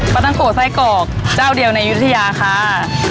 ปลาท่องโกะไส้กอกเจ้าเดียวในยุธยาค่ะ